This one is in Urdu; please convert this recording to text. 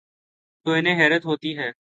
تو انہیں حیرت ہو تی ہے۔